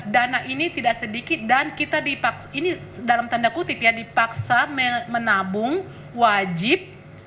dana ini tidak sedikit dan kita ini dalam tanda kutip ya dipaksa menabung wajib